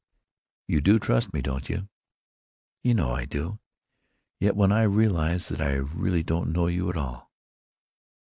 "You do trust me, don't you?" "You know I do.... Yet when I realize that I really don't know you at all——!"